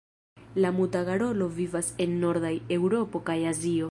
La Muta garolo vivas en nordaj Eŭropo kaj Azio.